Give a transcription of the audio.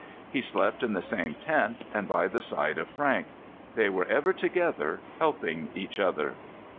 He slept in the same tent, and by the side of Frank. They were ever together helping each other.